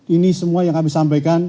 ini semua yang kami sampaikan